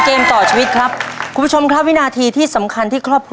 ขอบคุณครับ